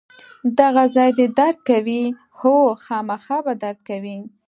دغه ځای دې درد کوي؟ هو، خامخا به درد کوي.